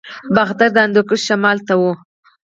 باختر د هندوکش شمال ته و